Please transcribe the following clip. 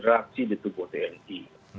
dari generasi di tubuh tni